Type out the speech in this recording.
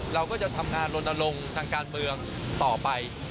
เราก็จะทำงานลนลงทางการเมืองต่อไป